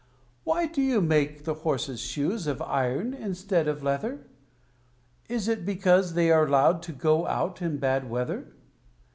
Why do you make the horses' shoes of iron instead of leather? Is it because they are allowed to go out in bad weather?